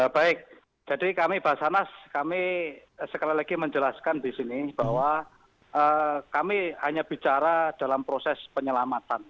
baik jadi kami basarnas kami sekali lagi menjelaskan di sini bahwa kami hanya bicara dalam proses penyelamatan